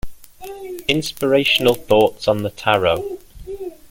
"Inspirational Thoughts on the Tarot".